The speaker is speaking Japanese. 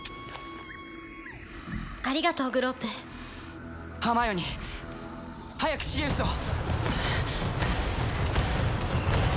ありがとうグロウプハーマイオニー早くシリウスを！